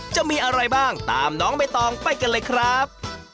จะมีอะไรบ้างตามน้องใบตองไปกันเลยครับ